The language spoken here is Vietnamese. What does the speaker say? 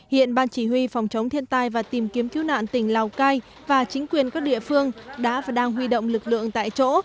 hiện ban chỉ huy phòng chống thiên tai và tìm kiếm cứu nạn tỉnh lào cai và chính quyền các địa phương đã và đang huy động lực lượng tại chỗ